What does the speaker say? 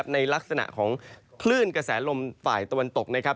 ในลักษณะของคลื่นกระแสลมฝ่ายตะวันตกนะครับ